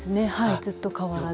ずっと変わらず。